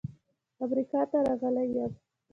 امریکا ته راغلی یم.